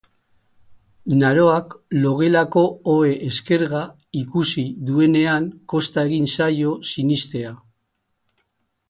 Naroak logelako ohe eskerga ikusi duenean kosta egin zaio sinistea.